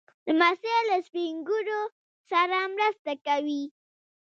لمسی له سپين ږیرو سره مرسته کوي.